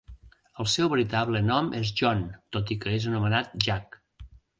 El seu veritable nom és John, tot i que és anomenat Jack.